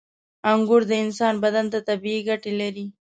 • انګور د انسان بدن ته طبیعي ګټې لري.